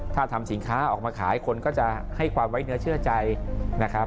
ถ้าทำสินค้าออกมาขายคนก็จะให้ความไว้เนื้อเชื่อใจนะครับ